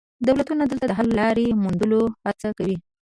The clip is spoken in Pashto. دولتونه دلته د حل لارې موندلو هڅه کوي